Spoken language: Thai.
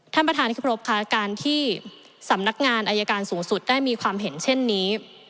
ท่านประธานที่ครบค่ะการที่สำนักงานอายการสูงสุดได้มีความเห็นเช่นนี้